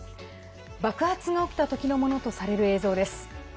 爆発が起きた時のものとされる映像です。